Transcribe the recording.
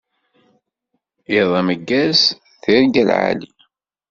Iḍ ameggaz, tirga lɛali.